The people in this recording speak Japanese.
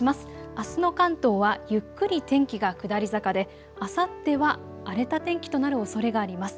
あすの関東はゆっくり天気が下り坂であさっては荒れた天気となるおそれがあります。